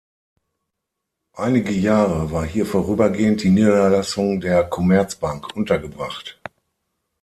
Einige Jahre war hier vorübergehend die Niederlassung der Commerzbank untergebracht.